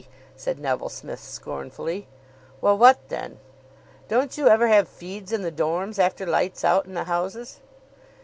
said Neville Smith scornfully. "Well, what then?" "Don't you ever have feeds in the dorms. after lights out in the houses?"